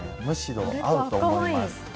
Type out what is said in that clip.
むしろ合うと思います。